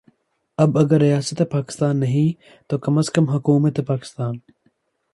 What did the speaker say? اب اگر ریاست پاکستان نہیں تو کم از کم حکومت پاکستان